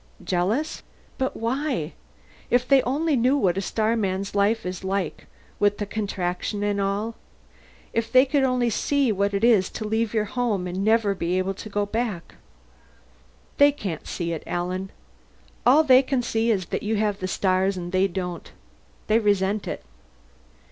"Jealous? But why? If they only knew what a starman's life is like, with the Contraction and all! If they could only see what it is to leave your home and never be able to go back " "They can't see it, Alan. All they can see is that you have the stars and they don't. They resent it."